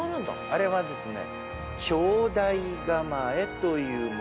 あれはですね。